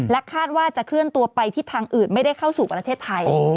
คาดว่าจะเคลื่อนตัวไปทิศทางอื่นไม่ได้เข้าสู่ประเทศไทย